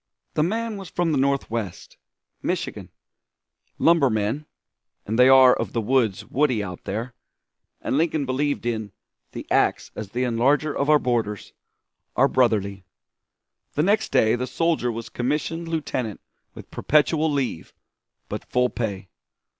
The man was from the Northwest Michigan. Lumbermen and they are of the woods woody out there and Lincoln believed in "the ax as the enlarger of our borders" are brotherly. The next day the soldier was commissioned lieutenant with perpetual leave, but full pay.